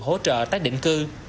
hỗ trợ tác định cư